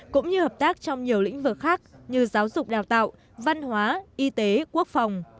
cũng như hợp tác trong nhiều lĩnh vực khác như giáo dục đào tạo văn hóa y tế quốc phòng